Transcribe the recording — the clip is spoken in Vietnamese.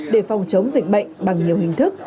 để phòng chống dịch bệnh bằng nhiều hình thức